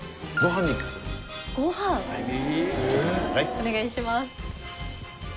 お願いします。